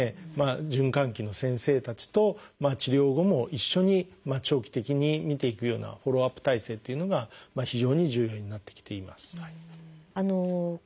循環器の先生たちと治療後も一緒に長期的に見ていくようなフォローアップ体制っていうのが非常に重要になってきています。